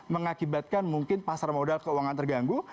mengakibatkan mungkin pasar modal keuangan terganggu